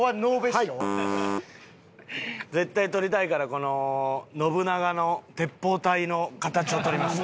絶対撮りたいからこの信長の鉄砲隊の形をとりました。